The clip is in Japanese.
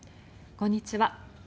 こんにちは。